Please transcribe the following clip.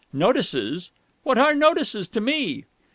"Notices! What are notices to me?"